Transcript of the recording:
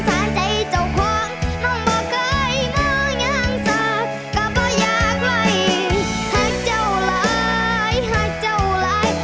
ไว้บ่ได้เหตุที่ปันได้เหตุที่ปันได้เจ้าก็บ่หัวสาว